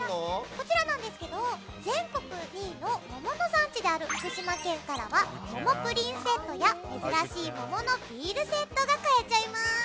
こちら全国２位の桃の産地である福島県からは桃のプリンセットや珍しい桃のビールセットが買えちゃいます。